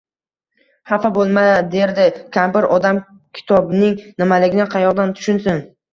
— Xafa boʼlma, — derdi. — Kampir odam, kitobning nimaligini qayoqdan tushunsin…